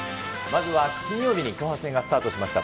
まずは金曜日に後半戦がスタートしました